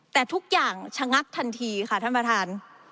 ค่ะท่านประทาน